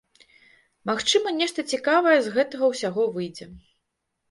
Магчыма, нешта цікавае з гэтага ўсяго выйдзе.